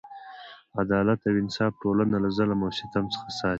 عدالت او انصاف ټولنه له ظلم او ستم څخه ساتي.